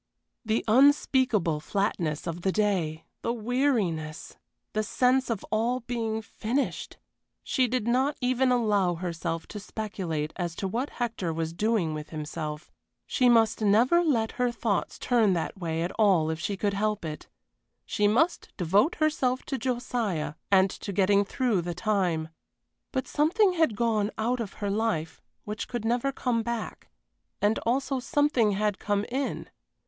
The unspeakable flatness of the day! The weariness! The sense of all being finished! She did not even allow herself to speculate as to what Hector was doing with himself. She must never let her thoughts turn that way at all if she could help it. She must devote herself to Josiah and to getting through the time. But something had gone out of her life which could never come back, and also something had come in.